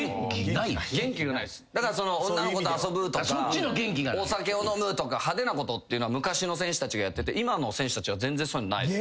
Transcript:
だからその女の子と遊ぶとかお酒を飲むとか派手なことっていうのは昔の選手たちがやってて今の選手たちは全然そういうのないです。